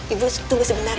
ibu tunggu sebentar ya